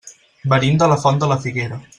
Venim de la Font de la Figuera.